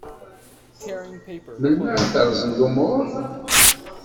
Melmi ara ferzen lumur?